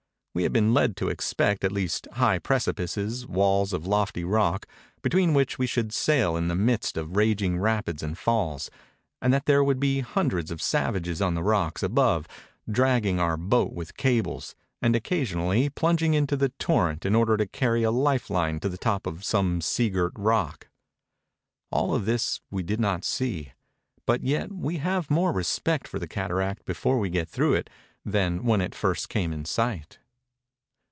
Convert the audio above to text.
We had been led to expect at least high precipices, walls of lofty rock, between which we should sail in the midst of raging rapids and falls; and that there would be hundreds of savages on the rocks above dragging our boat with cables, and occasionally plunging into the torrent in order to carry a life line to the top of some seagirt rock. All of this we did not see ; but yet we have more respect for the cataract before we get through it than when it first came in sight.